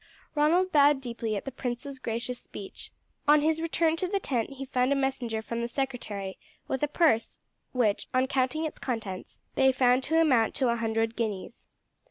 Ronald bowed deeply at the prince's gracious speech. On his return to his tent he found a messenger from the secretary with a purse which, on counting its contents, they found to amount to a hundred guineas.